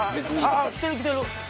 あぁ来てる来てる。